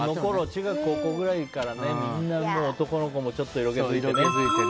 中学、高校くらいからみんな男の子もちょっと色気づいてね。